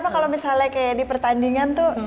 kalau misalnya kayak di pertandingan tuh